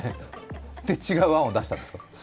違う案を出したんですか？